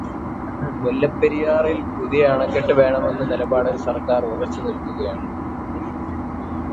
മുല്ലപ്പെരിയാറിൽ പുതിയ അണക്കെട്ട് വേണമെന്ന നിലപാടിൽ സർക്കാർ ഉറച്ചു നിൽക്കുകയാണ്.